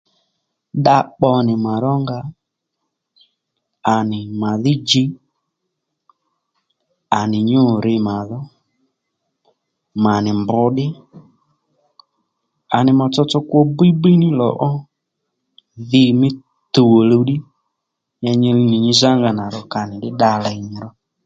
Dda pbo nì màrónga à nì màdhí djiy à nì nyû rǐ màdho mà nì mbr ddí à nì mà tsotso kwo bíy bíy ní lò ó dhi mí tuw òluw ddí ya nyi nì nyi za ónga nà ro ka nì dda ley nyi ró